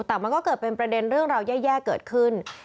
แต่มันก็เกิดเป็นประเด็นเรื่องราวแย่เกิดขึ้น